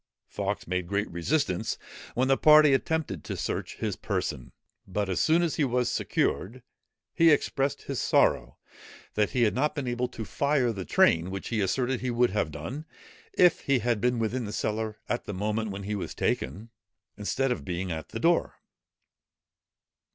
Fawkes made great resistance, when the party attempted to search his person; but as soon as he was secured, he expressed his sorrow, that he had not been able to fire the train, which he asserted he would have done, if he had been within the cellar at the moment when he was taken, instead of being at the door.